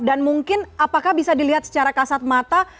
dan mungkin apakah bisa dilihat secara kasat mata